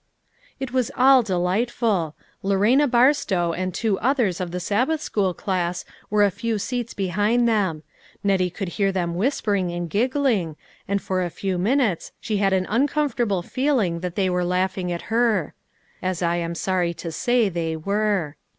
It was all delightful. Lorena Barstow and two others of the Sabbath school class were a few seats behind them; Nettie could hear them whispering and giggling, and for a few minutes she had an uncomfortable feeling that they were laughing at her; as I am sorry to say they were.